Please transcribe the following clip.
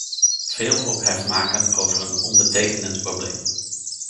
Veel ophef maken over een onbetekenend probleem.